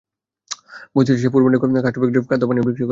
বস্তিতে এসে সে পূর্বের ন্যায় কাষ্ঠ বিক্রি করে খাদ্য পানীয় ক্রয় করে।